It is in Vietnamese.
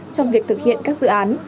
trong việc thực hiện các dự án